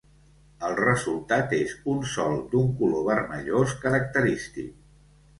El resultat és un sòl d'un color vermellós característic.